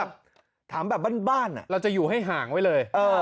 ถามแบบบ้านเราจะอยู่ให้ห่างไว้เลย